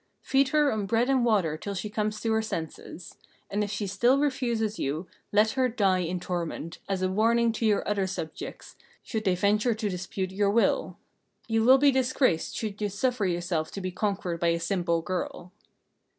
Feed her on bread and water till she comes to her senses; and if she still refuses you, let her die in torment, as a warning to your other subjects should they venture to dispute your will. You will be disgraced should you suffer yourself to be conquered by a simple girl."